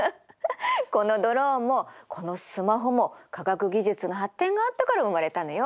このドローンもこのスマホも科学技術の発展があったから生まれたのよ。